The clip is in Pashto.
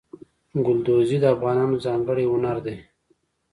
ګلدوزي د افغانانو ځانګړی هنر دی.